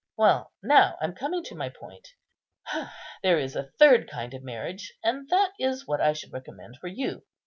Well, now I'm coming to my point. There is a third kind of marriage, and that is what I should recommend for you.